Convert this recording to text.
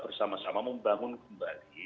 bersama sama membangun kembali